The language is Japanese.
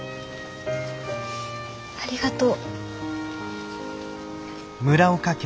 ありがとう。